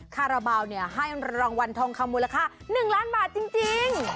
คาราบาลให้รางวัลทองคำมูลค่า๑ล้านบาทจริง